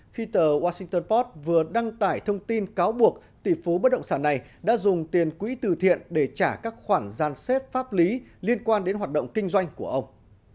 khi tờ washington pot vừa đăng tải thông tin cáo buộc tỷ phú bất động sản này đã dùng tiền quỹ từ thiện để trả các khoản gian xếp pháp lý liên quan đến hoạt động kinh doanh của ông